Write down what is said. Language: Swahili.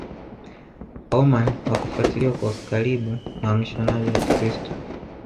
waoman wakafuatiliwa kwa karibu na wamishionari wa kikristo